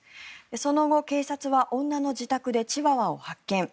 その後、警察は女の自宅でチワワを発見。